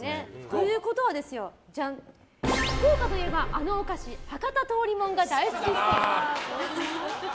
ということは福岡といえば、あのお菓子博多通りもんが大好きっぽい。